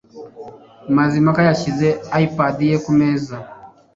Mazimpaka yashyize iPad ye kumeza.